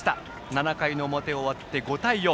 ７回の表終わって、５対４。